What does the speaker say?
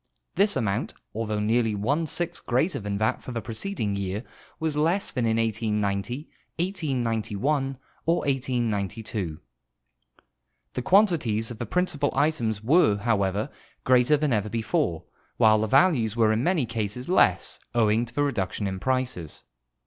This amount, although nearly one sixth greater than that for the preceding year, was less than in 1890, 1891, or 1892. The quantities of the principal items were, however, greater than ever before, while the values were in many cases less, owing to the reduc tion in prices.